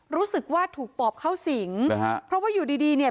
รู้สึกว่าถูกปลอบเข้าสิงเพราะว่าอยู่ดีเนี่ย